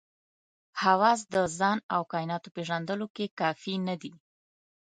حواس د ځان او کایناتو پېژندلو کې کافي نه دي.